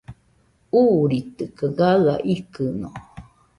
Uuritɨkaɨ gaɨa ikɨno